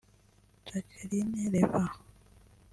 Jacqueline Leva